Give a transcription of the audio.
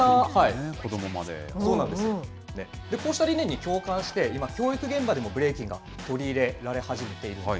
こうした理念に共感して、今、教育現場でもブレイキンが取り入れられ始めているんです。